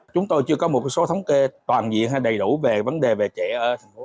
chúng tôi chưa có một số thống kê toàn diện hay đầy đủ về vấn đề về trẻ ở